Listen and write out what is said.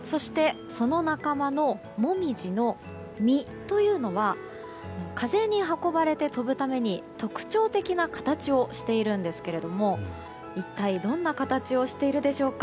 その仲間のモミジの実というのは風に運ばれて飛ぶために特徴的な形をしているんですが一体どんな形をしているでしょうか。